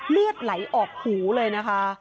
เลือดไหลออกหูเลยนะคะ